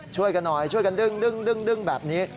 ช่วยกันหน่อยช่วยกันดึงแบบนี้